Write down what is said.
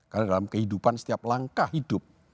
karena dalam kehidupan setiap langkah hidup